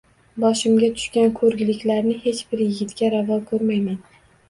Boshimga tushgan ko`rgiliklarni hech bir yigitga ravo ko`rmayman